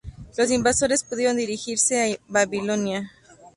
Los invasores pudieron dirigirse a Babilonia.